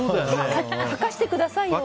吐かしてくださいよ。